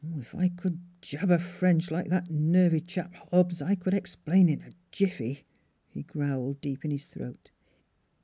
" If I could jabber French like that nervy chap, Hobbs, I could explain in a jiffy," he growled deep in his throat.